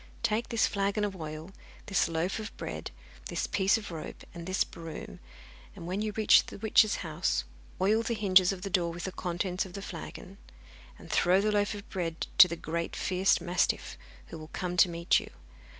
Take this flagon of oil, this loaf of bread, this piece of rope, and this broom. When you reach the witch's house, oil the hinges of the door with the contents of the flagon, and throw the loaf of bread to the great fierce mastiff, who will come to meet you.